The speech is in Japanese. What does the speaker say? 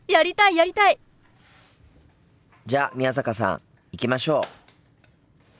やりたい！じゃ宮坂さん行きましょう。